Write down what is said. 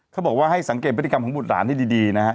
เขาบอกว่าให้สังเกตพฤติกรรมของบุตรหลานให้ดีนะครับ